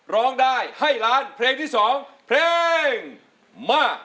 ร้องได้ให้ล้านเพลงที่๒เพลงมา